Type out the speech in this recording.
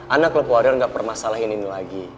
anak klub warrior nggak permasalahin ini lagi